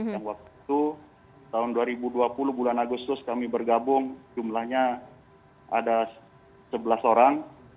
yang waktu itu tahun dua ribu dua puluh bulan agustus kami bergabung jumlahnya ada sebelas orang